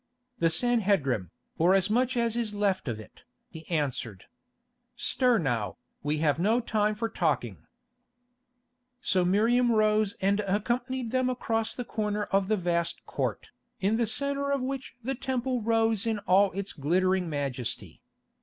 "The Sanhedrim, or as much as is left of it," he answered. "Stir now, we have no time for talking." So Miriam rose and accompanied them across the corner of the vast court, in the centre of which the Temple rose in all its glittering majesty.